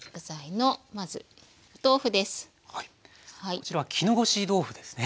こちらは絹ごし豆腐ですね。